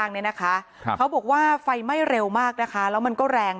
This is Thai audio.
เนี่ยนะคะเขาบอกว่าไฟไหม้เร็วมากนะคะแล้วมันก็แรง